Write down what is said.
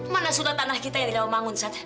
mana surat tanah kita yang dilawang bangun sat